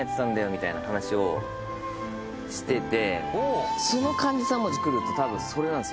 みたいな話をしてて。